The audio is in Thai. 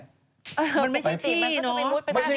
มันไม่ใช่ที่เนอะ